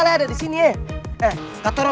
kenapa dia sama amerika vero